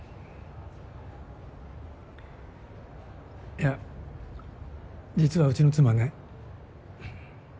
いや実はうちの妻ね。